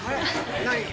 何？